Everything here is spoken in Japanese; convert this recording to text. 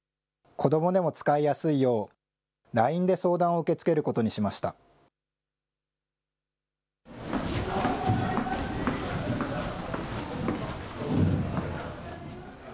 子どもでも使いやすいよう、ＬＩＮＥで相談を受け付けることにしました。